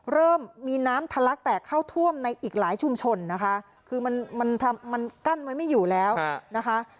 เริ่มมีน้ำทะลักแตกเข้าท่วมในอีกหลายชุมชนนะคะคือมันมันกั้นไว้ไม่อยู่แล้วนะคะ